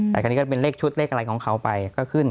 แต่คราวนี้ก็เป็นเลขชุดเลขอะไรของเขาไปก็ขึ้น